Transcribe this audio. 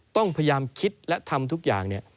ต้องพยายามคิดและทำทุกอย่างเนี่ย